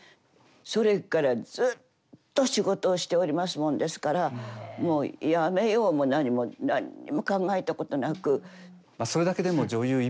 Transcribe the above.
それからずっと仕事をしておりますもんですからもうやめようも何も何にも考えたことなくそれだけでも女優１本でっていう。